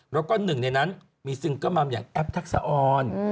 แล้วก็หนึ่งในนั้นมีซิงเกิลมัมอย่างแอปทักษะออน